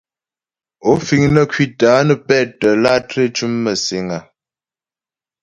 Ó fíŋ nə́ ŋkwítə́ á pɛ́tə́ látré ntʉ́mə məsìŋ áá ?